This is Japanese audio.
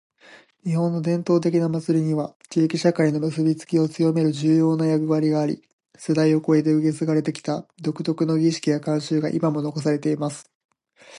•「日本の伝統的な祭りには、地域社会の結びつきを強める重要な役割があり、世代を超えて受け継がれてきた独特の儀式や慣習が今も残されています。」